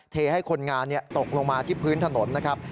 เทให้คนงานตกลงมาที่พื้นถนนนะครับ